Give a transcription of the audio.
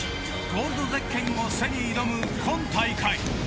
ゴールドゼッケンを背に挑む今大会。